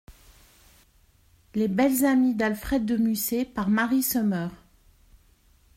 Les belles amies d'Alfred de Musset, par Mary Summer.